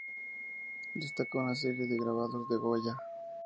Destaca una serie de grabados de Goya.